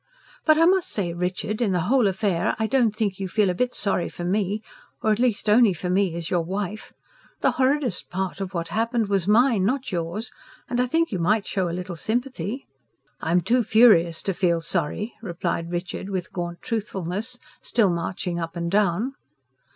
But I must say, Richard, in the whole affair I don't think you feel a bit sorry for me. Or at least only for me as your wife. The horridest part of what happened was mine, not yours and I think you might show a little sympathy." "I'm too furious to feel sorry," replied Richard with gaunt truthfulness, still marching up and down.